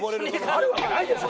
あるわけないでしょ！